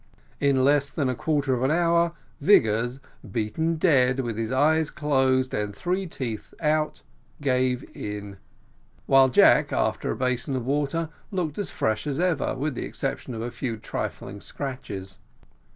In less than a quarter of an hour Vigors, beaten dead, with his eyes closed, and three teeth out, gave in; while Jack, after a basin of water, looked as fresh as ever, with the exception of a few trifling scratches.